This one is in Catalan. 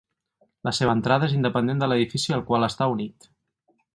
La seva entrada és independent de l'edifici al qual està unit.